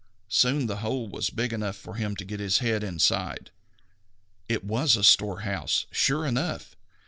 Soon the hole was big enough for him to get his head inside. It was a storehouse, sure enough.